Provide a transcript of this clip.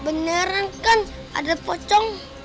beneran kan ada pocong